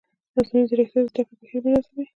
مصنوعي ځیرکتیا د زده کړې بهیر منظموي.